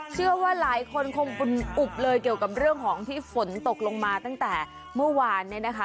เชื่อว่าหลายคนคงอุบเลยเกี่ยวกับเรื่องของที่ฝนตกลงมาตั้งแต่เมื่อวานเนี่ยนะคะ